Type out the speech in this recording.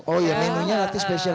oh ya menunya nanti spesial